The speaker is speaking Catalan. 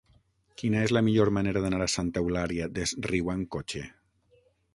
Quina és la millor manera d'anar a Santa Eulària des Riu amb cotxe?